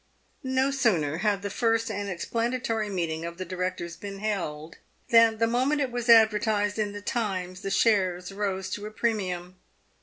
No sooner had the first and explanatory meeting of the directors been held, than the moment it was advertised in the Times the shares rose to a premium.